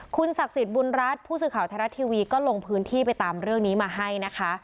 คุณศักดิ์สิทธิ์บุญรัฐผู้สื่อข่าวไทยรัฐทีวีก็ลงพื้นที่ไปตามเรื่องนี้มาให้นะคะ